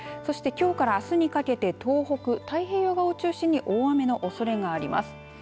きょうからあすにかけて東北、太平洋側で大雨のおそれがあります。